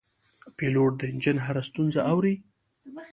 پیلوټ د انجن هره ستونزه اوري.